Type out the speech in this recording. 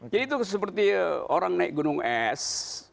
jadi itu seperti orang naik gunung es